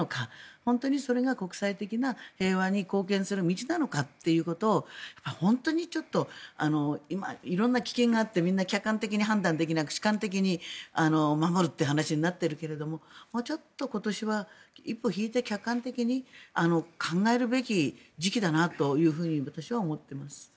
本当にそれが国際的な平和に貢献する道なのかっていうことを本当に今、色んな危険があってみんな客観的に判断できなく主観的に守るという話になっているけれどももうちょっと、今年は一歩引いて客観的に考えるべき時期だなというふうに私は思っています。